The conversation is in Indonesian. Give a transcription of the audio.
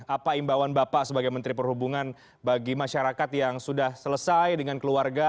apa imbauan bapak sebagai menteri perhubungan bagi masyarakat yang sudah selesai dengan keluarga